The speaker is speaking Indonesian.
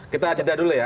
kita ajadah dulu ya